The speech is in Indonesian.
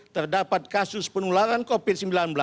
terdapat kasus penularan covid sembilan belas